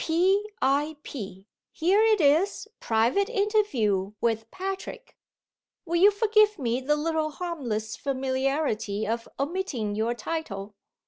P. I. P. Here it is: private interview with Patrick. Will you forgive me the little harmless familiarity of omitting your title?